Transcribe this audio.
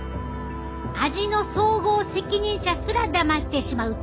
味の総合責任者すらだましてしまうとうがらしのパワー。